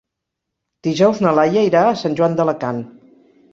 Dijous na Laia irà a Sant Joan d'Alacant.